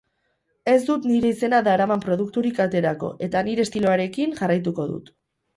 Ez dut nire izena daraman produkturik aterako eta nire estiloarekin jarraituko dut.